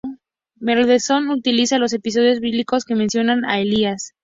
Mendelssohn utiliza los episodios bíblicos que mencionan a Elías..